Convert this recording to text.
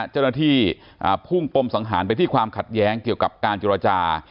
เจ้าหน้าที่พุ่งปมสังหารไปที่ความขัดแย้งเกี่ยวกับการจุรจา